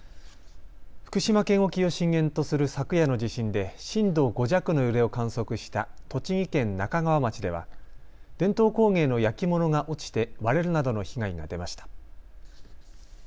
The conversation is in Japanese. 福島県沖を震源とする昨夜の地震で震度５弱の揺れを観測した栃木県那珂川町では伝統工芸の焼き物が落ちて割れるなどの被害が出ました。